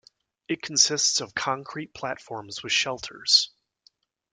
It consists of concrete platforms with shelters.